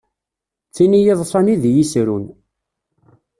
D tin i yi-yeḍṣan i d i yi-yesrun.